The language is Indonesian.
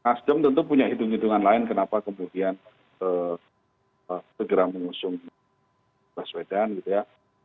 nasdem tentu punya hitung hitungan lain kenapa kemudian segera mengusung baswedan gitu ya